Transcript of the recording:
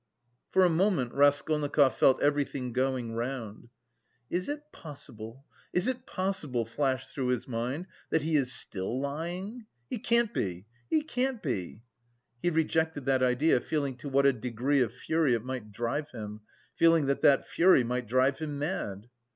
For a moment Raskolnikov felt everything going round. "Is it possible, is it possible," flashed through his mind, "that he is still lying? He can't be, he can't be." He rejected that idea, feeling to what a degree of fury it might drive him, feeling that that fury might drive him mad.